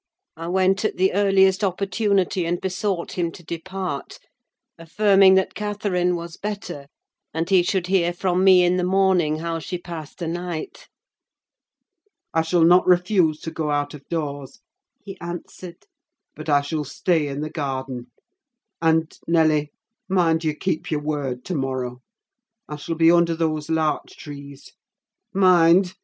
I went, at the earliest opportunity, and besought him to depart; affirming that Catherine was better, and he should hear from me in the morning how she passed the night. "I shall not refuse to go out of doors," he answered; "but I shall stay in the garden: and, Nelly, mind you keep your word to morrow. I shall be under those larch trees. Mind!